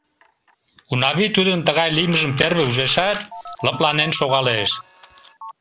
Унавий тудын тыгай лиймыжым первый ужешат, лыпланен шогалеш.